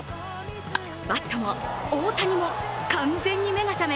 バットも大谷も完全に目が覚め